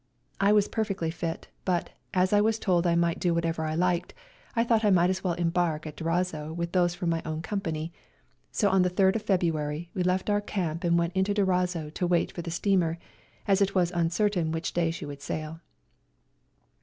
I was perfectly fit, but, as I was told I might do whichever I liked, I thought I might as well embark at Durazzo with those from my own company ; so on the 3rd of February we left our camp and went into Durazzo to wait for the steamer, as it was uncertain which day she would sail.